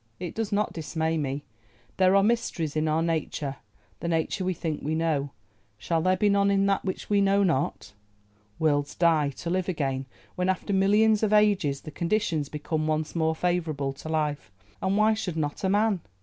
It does not dismay me. There are mysteries in our nature, the nature we think we know—shall there be none in that which we know not? Worlds die, to live again when, after millions of ages, the conditions become once more favourable to life, and why should not a man?